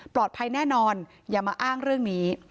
ปลอดภัยแน่นอนอย่ามาอ้างเรื่องนี้